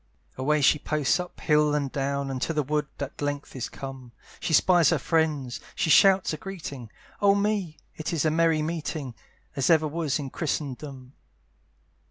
Away she posts up hill and down, And to the wood at length is come, She spies her friends, she shouts a greeting; Oh me! it is a merry meeting, As ever was in Christendom.